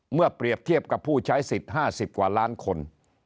เปรียบเทียบกับผู้ใช้สิทธิ์๕๐กว่าล้านคน